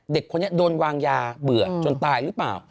เด็กคนนี้โดนวางยาเบื่อจนตายหรือเปล่า